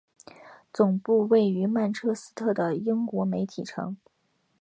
总部位于曼彻斯特的英国媒体城。